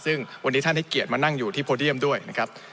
ซึ่งวันนี้ท่านให้เกียรติมานั่งอยู่ที่โพเดียมด้วยนะครับ